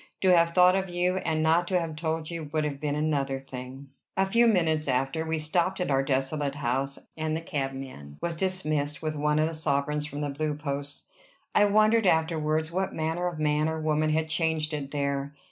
To have thought of you, and not to have told you, would have been another thing." A few minutes after, we stopped at our desolate house, and the cabman was dismissed with one of the sovereigns from the Blue Posts. I wondered afterwards what manner of man or woman had changed it there.